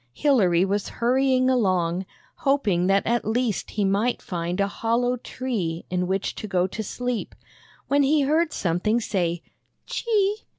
Hilary was hurrying along, hoping that at least he might find a hollow tree in which to go to sleep, when he heard something say " Chee!